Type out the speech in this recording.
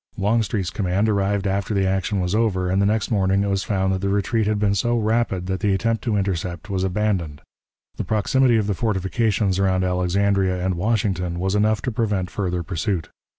Longstreet's command arrived after the action was over, and the next morning it was found that the retreat had been so rapid that the attempt to intercept was abandoned. The proximity of the fortifications around Alexandria and Washington was enough to prevent further pursuit.